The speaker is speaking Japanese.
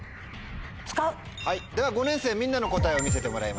では５年生みんなの答えを見せてもらいましょう。